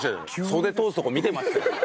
袖通すとこ見てましたよ。